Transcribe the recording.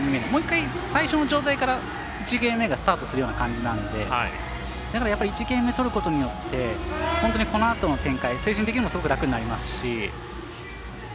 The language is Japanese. もう１回、最初の状態から１ゲーム目がスタートするような感じなので１ゲーム目を取ることによって本当にこのあとの展開、精神的にもすごく楽になりますし。